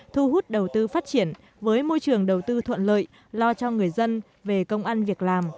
thu hút đầu tư phát triển với môi trường đầu tư thuận lợi lo cho người dân về công ăn việc làm